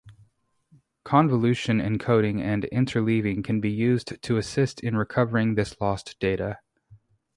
Convolution encoding and interleaving can be used to assist in recovering this lost data.